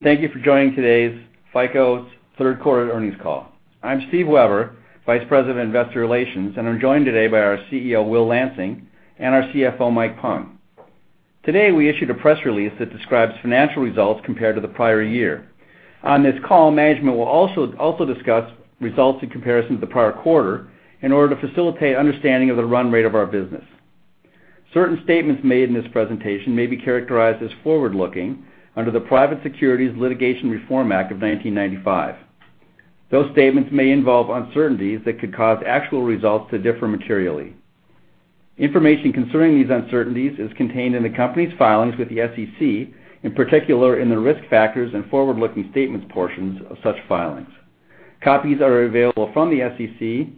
Thank you for joining today's FICO's third quarter earnings call. I'm Steven Weber, Vice President of Investor Relations, and I'm joined today by our CEO, William Lansing, and our CFO, Michael Pung. Today, we issued a press release that describes financial results compared to the prior year. On this call, management will also discuss results in comparison to the prior quarter in order to facilitate understanding of the run rate of our business. Certain statements made in this presentation may be characterized as forward-looking under the Private Securities Litigation Reform Act of 1995. Those statements may involve uncertainties that could cause actual results to differ materially. Information concerning these uncertainties is contained in the company's filings with the SEC, in particular in the risk factors and forward-looking statements portions of such filings. Copies are available from the SEC,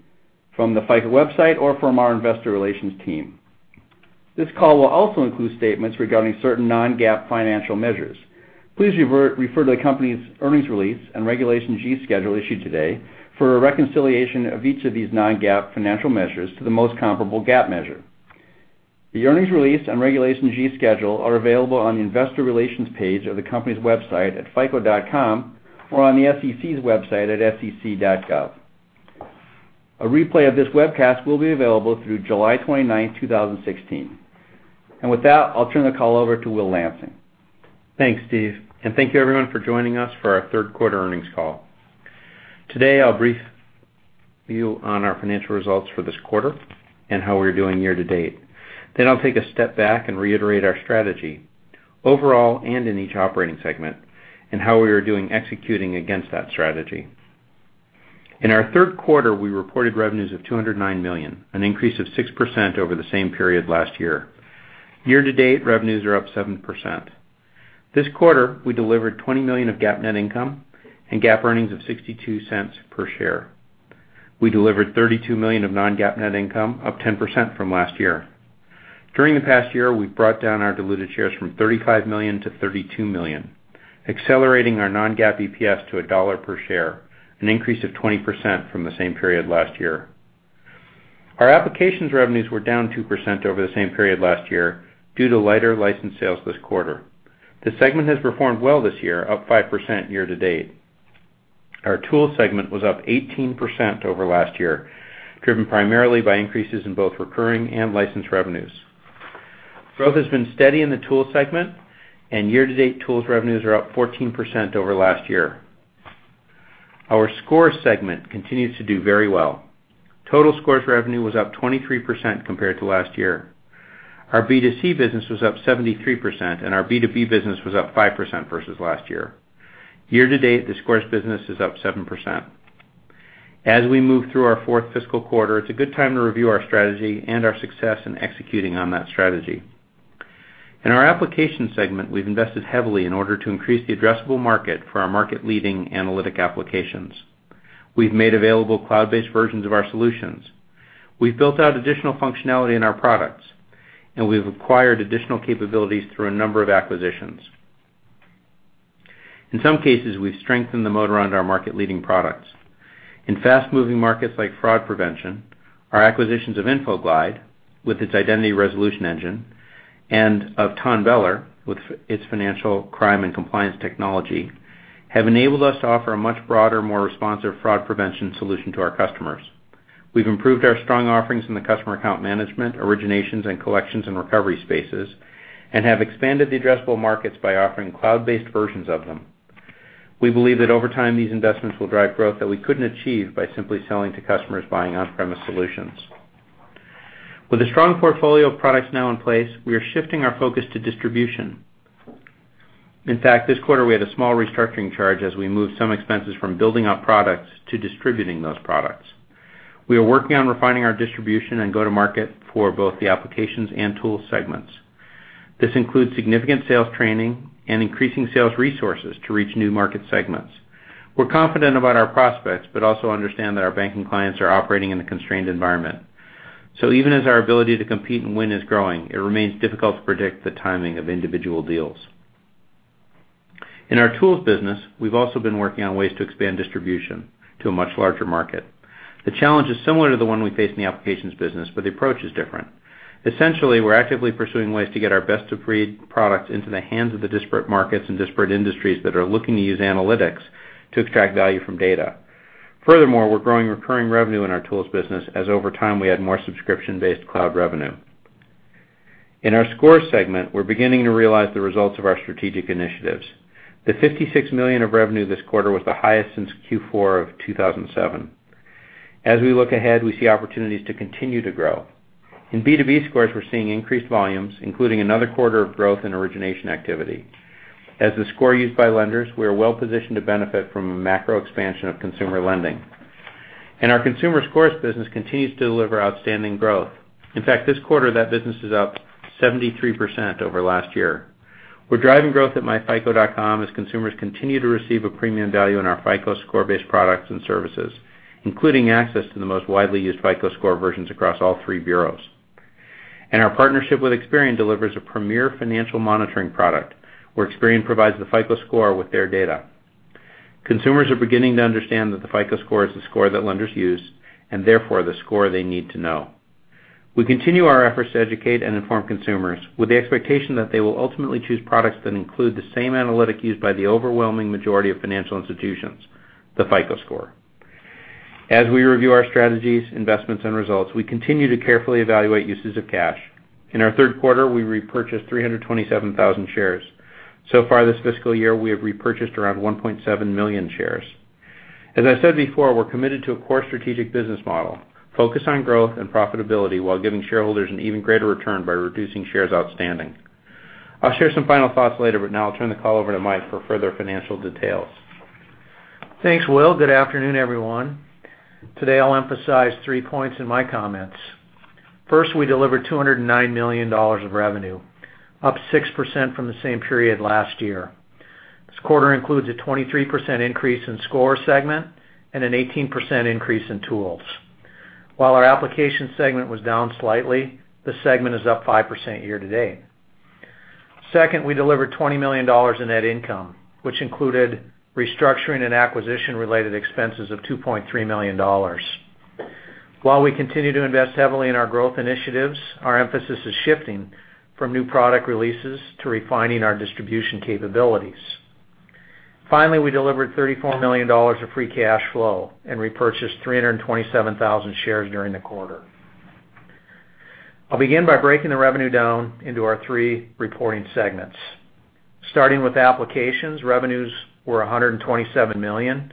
from the FICO website or from our investor relations team. This call will also include statements regarding certain non-GAAP financial measures. Please refer to the company's earnings release and Regulation G schedule issued today for a reconciliation of each of these non-GAAP financial measures to the most comparable GAAP measure. The earnings release and Regulation G schedule are available on the investor relations page of the company's website at fico.com or on the SEC's website at sec.gov. A replay of this webcast will be available through July 29, 2016. With that, I'll turn the call over to William Lansing. Thanks, Steve, thank you everyone for joining us for our third quarter earnings call. Today, I'll brief you on our financial results for this quarter and how we're doing year-to-date. I'll take a step back and reiterate our strategy overall and in each operating segment, and how we are doing executing against that strategy. In our third quarter, we reported revenues of $209 million, an increase of 6% over the same period last year. Year-to-date revenues are up 7%. This quarter, we delivered $20 million of GAAP net income and GAAP earnings of $0.62 per share. We delivered $32 million of non-GAAP net income, up 10% from last year. During the past year, we've brought down our diluted shares from $35 million to $32 million, accelerating our non-GAAP EPS to $1 per share, an increase of 20% from the same period last year. Our applications revenues were down 2% over the same period last year due to lighter license sales this quarter. The segment has performed well this year, up 5% year-to-date. Our tools segment was up 18% over last year, driven primarily by increases in both recurring and license revenues. Growth has been steady in the tool segment, and year-to-date, tools revenues are up 14% over last year. Our scores segment continues to do very well. Total scores revenue was up 23% compared to last year. Our B2C business was up 73%, and our B2B business was up 5% versus last year. Year-to-date, the scores business is up 7%. As we move through our fourth fiscal quarter, it's a good time to review our strategy and our success in executing on that strategy. In our application segment, we've invested heavily in order to increase the addressable market for our market-leading analytic applications. We've made available cloud-based versions of our solutions. We've built out additional functionality in our products, and we've acquired additional capabilities through a number of acquisitions. In some cases, we've strengthened the motor on our market-leading products. In fast-moving markets like fraud prevention, our acquisitions of Infoglide, with its identity resolution engine, and of TONBELLER, with its financial crime and compliance technology, have enabled us to offer a much broader, more responsive fraud prevention solution to our customers. We've improved our strong offerings in the customer account management, originations, and collections and recovery spaces, and have expanded the addressable markets by offering cloud-based versions of them. We believe that over time, these investments will drive growth that we couldn't achieve by simply selling to customers buying on-premise solutions. With a strong portfolio of products now in place, we are shifting our focus to distribution. In fact, this quarter we had a small restructuring charge as we moved some expenses from building out products to distributing those products. We are working on refining our distribution and go-to-market for both the applications and tools segments. This includes significant sales training and increasing sales resources to reach new market segments. We're confident about our prospects, but also understand that our banking clients are operating in a constrained environment. Even as our ability to compete and win is growing, it remains difficult to predict the timing of individual deals. In our tools business, we've also been working on ways to expand distribution to a much larger market. The challenge is similar to the one we face in the applications business, but the approach is different. Essentially, we're actively pursuing ways to get our best-of-breed products into the hands of the disparate markets and disparate industries that are looking to use analytics to extract value from data. Furthermore, we're growing recurring revenue in our tools business as over time we add more subscription-based cloud revenue. In our scores segment, we're beginning to realize the results of our strategic initiatives. The $56 million of revenue this quarter was the highest since Q4 of 2007. As we look ahead, we see opportunities to continue to grow. In B2B scores, we're seeing increased volumes, including another quarter of growth in origination activity. As the score used by lenders, we are well-positioned to benefit from a macro expansion of consumer lending. Our consumer scores business continues to deliver outstanding growth. In fact, this quarter, that business is up 73% over last year. We're driving growth at myfico.com as consumers continue to receive a premium value in our FICO Score-based products and services, including access to the most widely used FICO Score versions across all three bureaus. Our partnership with Experian delivers a premier financial monitoring product, where Experian provides the FICO Score with their data. Consumers are beginning to understand that the FICO Score is the score that lenders use, and therefore, the score they need to know. We continue our efforts to educate and inform consumers with the expectation that they will ultimately choose products that include the same analytic used by the overwhelming majority of financial institutions, the FICO Score. As we review our strategies, investments, and results, we continue to carefully evaluate uses of cash. In our third quarter, we repurchased 327,000 shares. So far this fiscal year, we have repurchased around 1.7 million shares. As I said before, we're committed to a core strategic business model focused on growth and profitability while giving shareholders an even greater return by reducing shares outstanding. I'll share some final thoughts later, but now I'll turn the call over to Mike for further financial details. Thanks, Will. Good afternoon, everyone. Today, I'll emphasize three points in my comments. First, we delivered $209 million of revenue, up 6% from the same period last year. This quarter includes a 23% increase in Scores segment and an 18% increase in Tools segment. While our Applications segment was down slightly, the segment is up 5% year-to-date. Second, we delivered $20 million in net income, which included restructuring and acquisition-related expenses of $2.3 million. While we continue to invest heavily in our growth initiatives, our emphasis is shifting from new product releases to refining our distribution capabilities. Finally, we delivered $34 million of free cash flow and repurchased 327,000 shares during the quarter. I'll begin by breaking the revenue down into our three reporting segments. Starting with Applications, revenues were $127 million,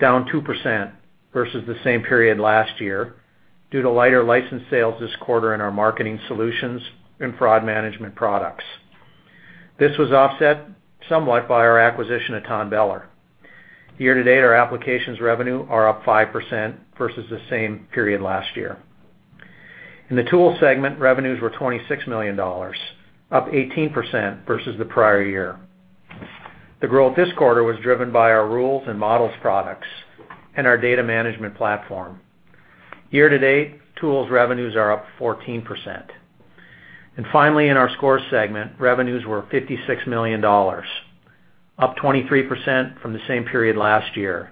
down 2% versus the same period last year due to lighter license sales this quarter in our marketing solutions and fraud management products. This was offset somewhat by our acquisition of TONBELLER. Year-to-date, our Applications revenue are up 5% versus the same period last year. In the Tools segment, revenues were $26 million, up 18% versus the prior year. The growth this quarter was driven by our rules and models products and our data management platform. Year-to-date, Tools revenues are up 14%. Finally, in our Scores segment, revenues were $56 million, up 23% from the same period last year.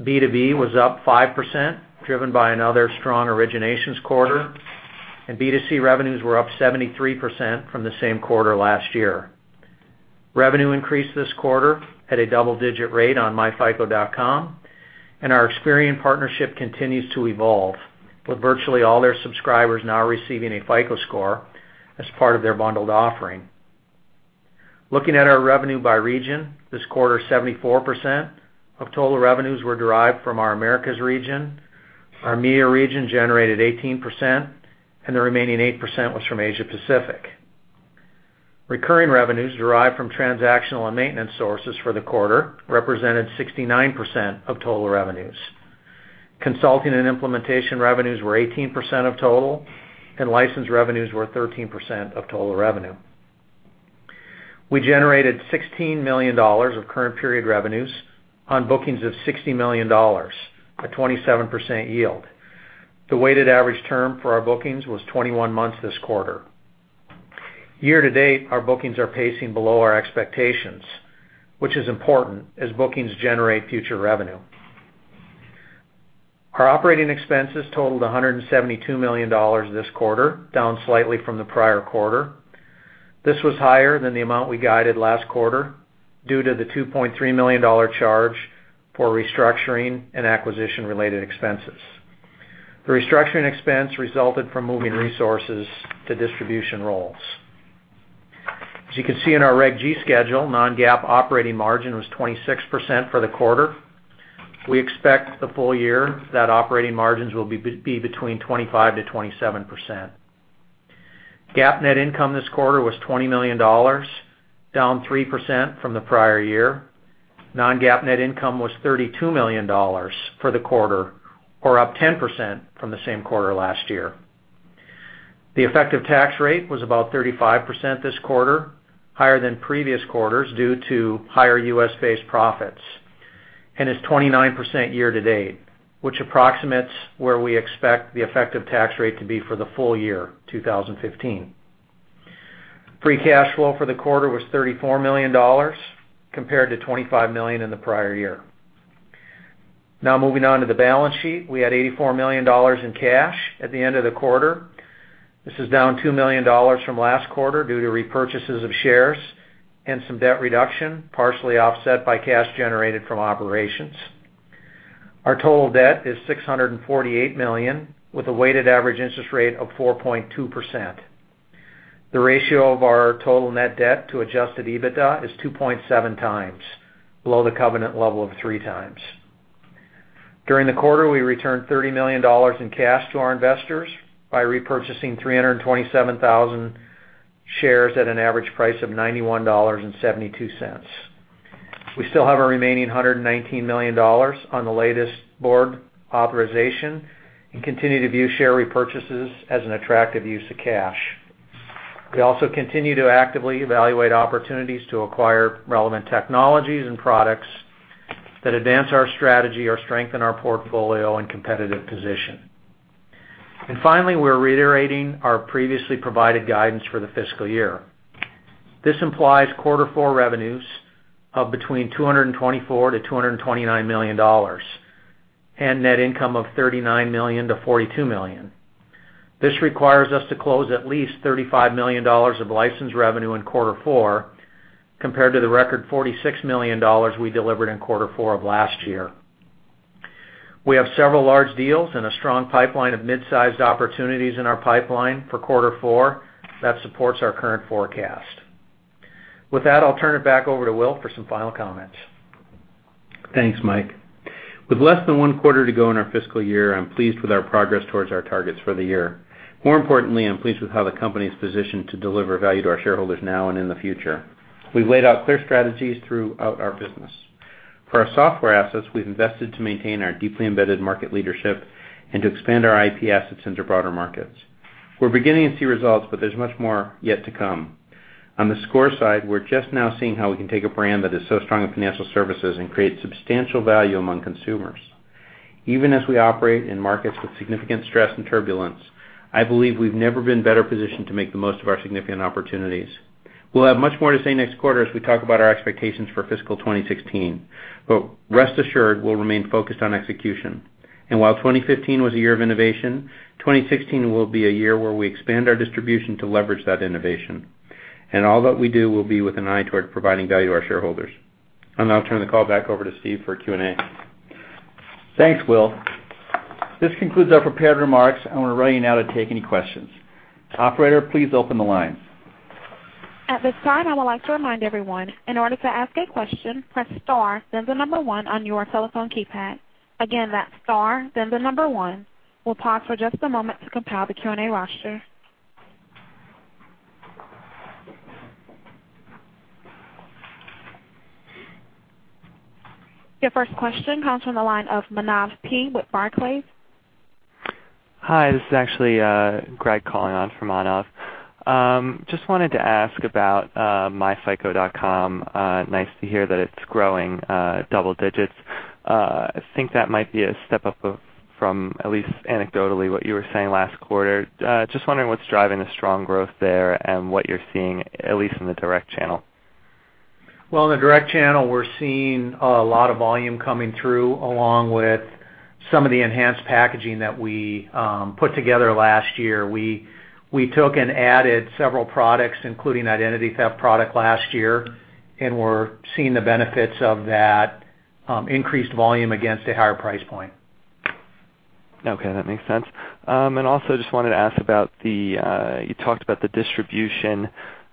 B2B was up 5%, driven by another strong originations quarter, and B2C revenues were up 73% from the same quarter last year. Revenue increased this quarter at a double-digit rate on myfico.com, our Experian partnership continues to evolve, with virtually all their subscribers now receiving a FICO Score as part of their bundled offering. Looking at our revenue by region this quarter, 74% of total revenues were derived from our Americas region, our EMEA region generated 18%, and the remaining 8% was from Asia Pacific. Recurring revenues derived from transactional and maintenance sources for the quarter represented 69% of total revenues. Consulting and implementation revenues were 18% of total, and license revenues were 13% of total revenue. We generated $16 million of current period revenues on bookings of $60 million, a 27% yield. The weighted average term for our bookings was 21 months this quarter. Year-to-date, our bookings are pacing below our expectations, which is important as bookings generate future revenue. Our operating expenses totaled $172 million this quarter, down slightly from the prior quarter. This was higher than the amount we guided last quarter due to the $2.3 million charge for restructuring and acquisition-related expenses. The restructuring expense resulted from moving resources to distribution roles. As you can see in our Regulation G schedule, non-GAAP operating margin was 26% for the quarter. We expect the full year that operating margins will be between 25%-27%. GAAP net income this quarter was $20 million, down 3% from the prior year. Non-GAAP net income was $32 million for the quarter, or up 10% from the same quarter last year. The effective tax rate was about 35% this quarter, higher than previous quarters due to higher U.S.-based profits, and is 29% year-to-date, which approximates where we expect the effective tax rate to be for the full year 2015. Moving on to the balance sheet. We had $84 million in cash at the end of the quarter. This is down $2 million from last quarter due to repurchases of shares and some debt reduction, partially offset by cash generated from operations. Our total debt is $648 million, with a weighted average interest rate of 4.2%. The ratio of our total net debt to adjusted EBITDA is 2.7 times, below the covenant level of 3 times. During the quarter, we returned $30 million in cash to our investors by repurchasing 327,000 shares at an average price of $91.72. We still have a remaining $119 million on the latest board authorization and continue to view share repurchases as an attractive use of cash. We also continue to actively evaluate opportunities to acquire relevant technologies and products that advance our strategy or strengthen our portfolio and competitive position. Finally, we're reiterating our previously provided guidance for the fiscal year. This implies quarter four revenues of between $224 million-$229 million, and net income of $39 million-$42 million. This requires us to close at least $35 million of license revenue in quarter four, compared to the record $46 million we delivered in quarter four of last year. We have several large deals and a strong pipeline of mid-sized opportunities in our pipeline for quarter four that supports our current forecast. With that, I'll turn it back over to Will for some final comments. Thanks, Mike. With less than one quarter to go in our fiscal year, I'm pleased with our progress towards our targets for the year. More importantly, I'm pleased with how the company is positioned to deliver value to our shareholders now and in the future. We've laid out clear strategies throughout our business. For our software assets, we've invested to maintain our deeply embedded market leadership and to expand our IP assets into broader markets. We're beginning to see results, but there's much more yet to come. On the score side, we're just now seeing how we can take a brand that is so strong in financial services and create substantial value among consumers. Even as we operate in markets with significant stress and turbulence, I believe we've never been better positioned to make the most of our significant opportunities. We'll have much more to say next quarter as we talk about our expectations for fiscal 2016. Rest assured, we'll remain focused on execution. While 2015 was a year of innovation, 2016 will be a year where we expand our distribution to leverage that innovation. All that we do will be with an eye toward providing value to our shareholders. I'll now turn the call back over to Steve for Q&A. Thanks, Will. This concludes our prepared remarks, and we're ready now to take any questions. Operator, please open the lines. At this time, I would like to remind everyone, in order to ask a question, press star, then the number 1 on your telephone keypad. Again, that's star, then the number 1. We'll pause for just a moment to compile the Q&A roster. Your first question comes from the line of Manav P. with Barclays. Hi, this is actually Greg calling on for Manav. Just wanted to ask about myfico.com. Nice to hear that it's growing double digits. I think that might be a step up from, at least anecdotally, what you were saying last quarter. Just wondering what's driving the strong growth there and what you're seeing, at least in the direct channel. Well, in the direct channel, we're seeing a lot of volume coming through, along with some of the enhanced packaging that we put together last year. We took and added several products, including that identity theft product last year, and we're seeing the benefits of that increased volume against a higher price point. Okay, that makes sense. Also just wanted to ask about you talked about the distribution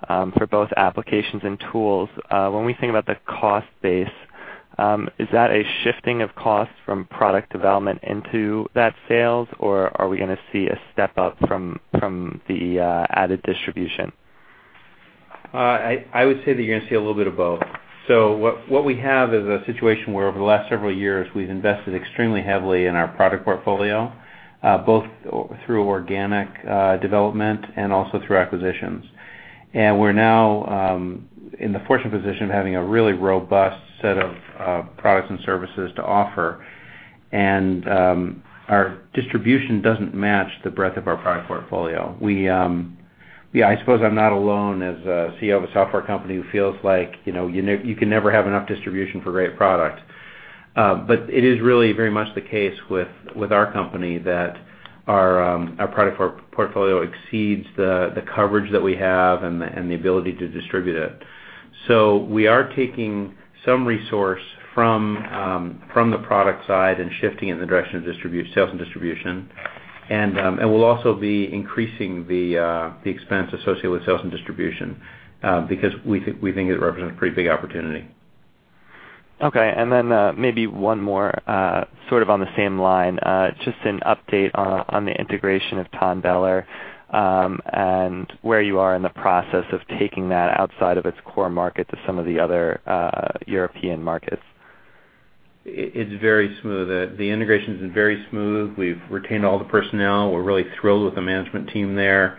for both applications and tools. When we think about the cost base, is that a shifting of costs from product development into that sales? Are we going to see a step up from the added distribution? I would say that you're going to see a little bit of both. What we have is a situation where over the last several years, we've invested extremely heavily in our product portfolio, both through organic development and also through acquisitions. We're now in the fortunate position of having a really robust set of products and services to offer. Our distribution doesn't match the breadth of our product portfolio. I suppose I'm not alone as a CEO of a software company who feels like you can never have enough distribution for a great product. It is really very much the case with our company that our product portfolio exceeds the coverage that we have and the ability to distribute it. We are taking some resource from the product side and shifting it in the direction of sales and distribution. We'll also be increasing the expense associated with sales and distribution because we think it represents a pretty big opportunity. Okay, maybe one more sort of on the same line. Just an update on the integration of TONBELLER and where you are in the process of taking that outside of its core market to some of the other European markets. It's very smooth. The integration's been very smooth. We've retained all the personnel. We're really thrilled with the management team there.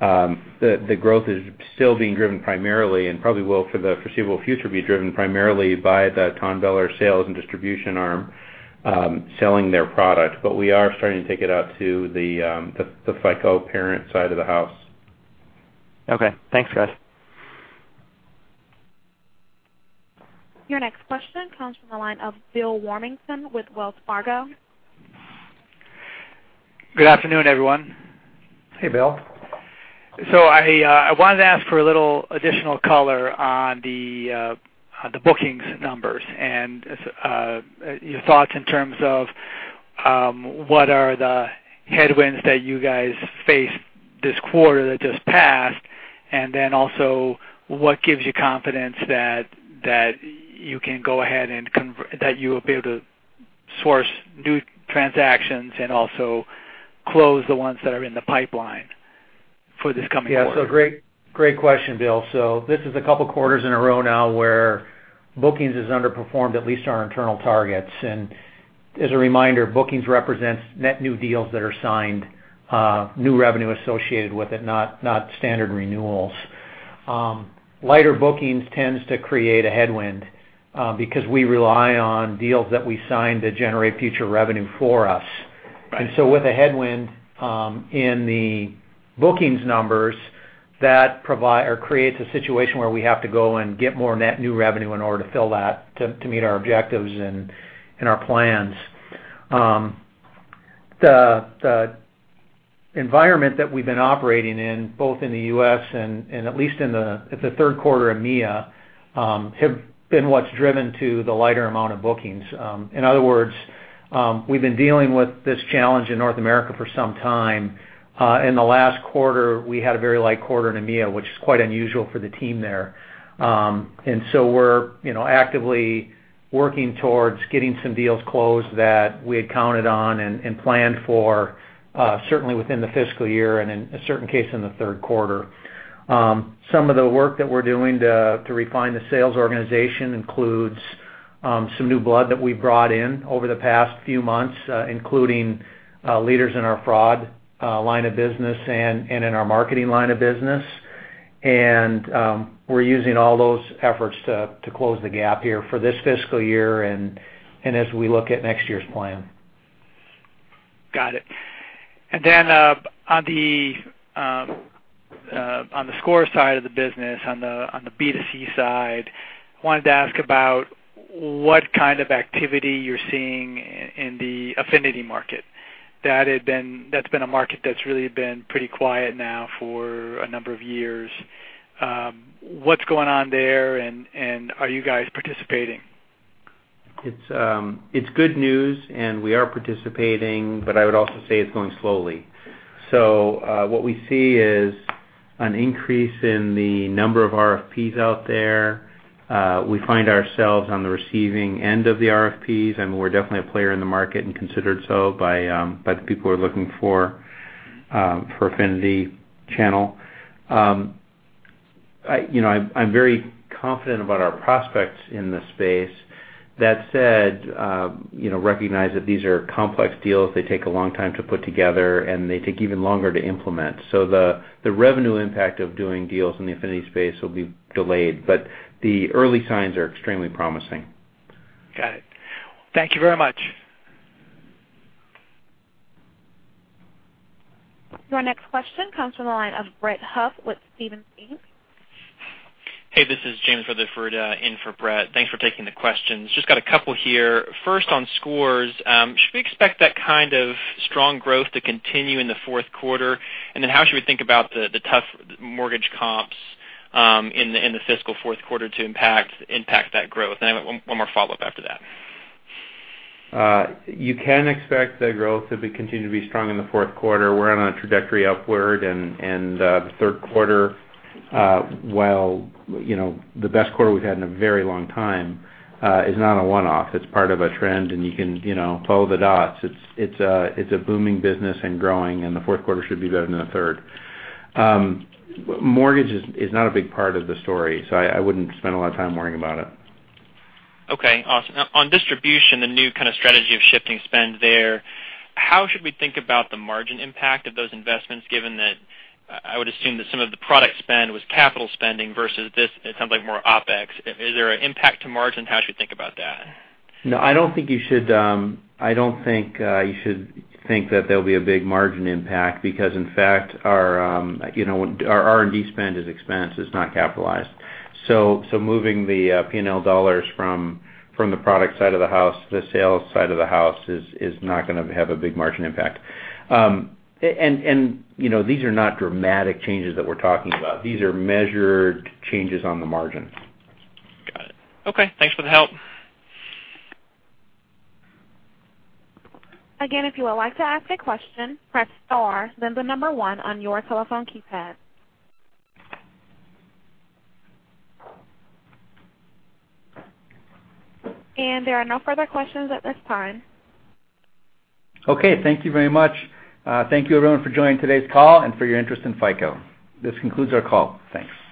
The growth is still being driven primarily, and probably will for the foreseeable future, be driven primarily by the TONBELLER sales and distribution arm selling their product. We are starting to take it out to the FICO parent side of the house. Okay. Thanks, guys. Your next question comes from the line of Bill Warmington with Wells Fargo. Good afternoon, everyone. Hey, Bill. I wanted to ask for a little additional color on the bookings numbers and your thoughts in terms of what are the headwinds that you guys faced this quarter that just passed, what gives you confidence that you will be able to source new transactions and close the ones that are in the pipeline for this coming quarter? Great question, Bill. This is a couple of quarters in a row now where bookings has underperformed at least our internal targets. As a reminder, bookings represents net new deals that are signed, new revenue associated with it, not standard renewals. Lighter bookings tends to create a headwind because we rely on deals that we sign to generate future revenue for us. Right. With a headwind in the bookings numbers, that creates a situation where we have to go and get more net new revenue in order to fill that to meet our objectives and our plans. The environment that we've been operating in, both in the U.S. and at least in the third quarter in EMEA, have been what's driven to the lighter amount of bookings. In other words, we've been dealing with this challenge in North America for some time. In the last quarter, we had a very light quarter in EMEA, which is quite unusual for the team there. We're actively working towards getting some deals closed that we had counted on and planned for, certainly within the fiscal year and in a certain case, in the third quarter. Some of the work that we're doing to refine the sales organization includes some new blood that we've brought in over the past few months, including leaders in our fraud line of business and in our marketing line of business. We're using all those efforts to close the gap here for this fiscal year and as we look at next year's plan. Got it. On the Scores side of the business, on the B2C side, wanted to ask about what kind of activity you're seeing in the affinity market. That's been a market that's really been pretty quiet now for a number of years. What's going on there and are you guys participating? It's good news, and we are participating, but I would also say it's going slowly. What we see is an increase in the number of RFPs out there. We find ourselves on the receiving end of the RFPs, and we're definitely a player in the market and considered so by the people who are looking for affinity channel. I'm very confident about our prospects in this space. That said, recognize that these are complex deals. They take a long time to put together, and they take even longer to implement. The revenue impact of doing deals in the affinity space will be delayed, but the early signs are extremely promising. Got it. Thank you very much. Your next question comes from the line of Brett Huff with Stephens Inc. Hey, this is James Rutherford in for Brett. Thanks for taking the questions. Just got a couple here. First, on Scores, should we expect that kind of strong growth to continue in the fourth quarter? Then how should we think about the tough mortgage comps in the fiscal fourth quarter to impact that growth? I have one more follow-up after that. You can expect the growth to continue to be strong in the fourth quarter. We're on a trajectory upward, and the third quarter while the best quarter we've had in a very long time, is not a one-off. It's part of a trend, and you can fill the dots. It's a booming business and growing, and the fourth quarter should be better than the third. Mortgage is not a big part of the story, so I wouldn't spend a lot of time worrying about it. Okay. Awesome. On distribution, the new kind of strategy of shifting spend there, how should we think about the margin impact of those investments, given that I would assume that some of the product spend was capital spending versus this, it sounds like more OpEx. Is there an impact to margin? How should we think about that? No, I don't think you should think that there'll be a big margin impact because in fact, our R&D spend is expense. It's not capitalized. Moving the P&L dollars from the product side of the house to the sales side of the house is not going to have a big margin impact. These are not dramatic changes that we're talking about. These are measured changes on the margin. Got it. Okay. Thanks for the help. Again, if you would like to ask a question, press star, then the number one on your telephone keypad. There are no further questions at this time. Okay. Thank you very much. Thank you everyone for joining today's call and for your interest in FICO. This concludes our call. Thanks.